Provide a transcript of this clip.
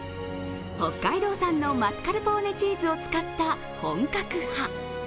北海道産のマスカルポーネチーズを使った本格派。